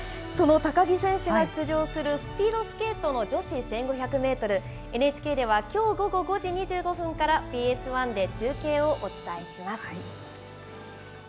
その高木選手が出場する、スピードスケートの女子１５００メートル、ＮＨＫではきょう午後５時２５分から、ＢＳ１で中継をお伝えします。